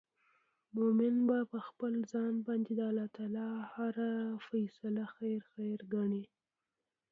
مؤمن به په خپل ځان باندي د الله تعالی هره فيصله خير خير ګڼې